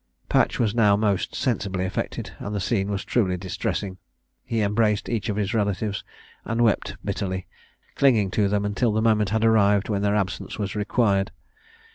Patch was now most sensibly affected, and the scene was truly distressing. He embraced each of his relatives, and wept bitterly, clinging to them until the moment had arrived when their absence was required.